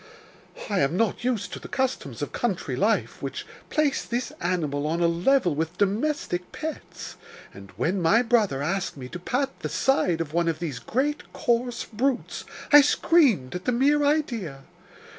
I am not used to the customs of country life, which place this animal on a level with domestic pets, and when my brother asked me to pat the side of one of these great, coarse brutes, I screamed at the mere idea.